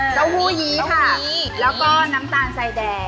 เจ้าหู้ยี้ค่ะแล้วก็น้ำตาลใส่แดง